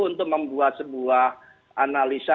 untuk membuat sebuah analisa